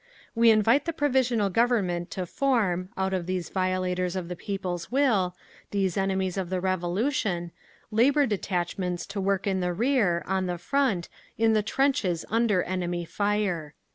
"We invite the Provisional Government to form, out of these violators of the people's will, these enemies of the Revolution, labour detachments to work in the rear, on the Front, in the trenches under enemy fire…."